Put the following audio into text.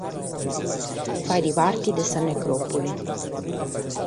Faghet parte de sa necròpoli.